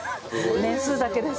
年数だけです。